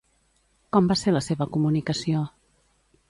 Com va ser la seva comunicació?